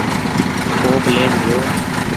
ڪوپ لين جو ۔